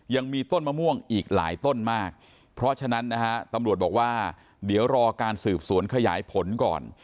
ยังมีต้นมะม่วงอีกหลายต้นมากเพราะฉะนั้นนะฮะตำรวจบอกว่าเดี๋ยวรอการสืบสวนขยายผลก่อน